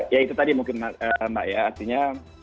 ya itu tadi mungkin mbak ya artinya